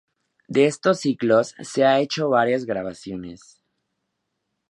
De estos ciclos se han hecho varias grabaciones.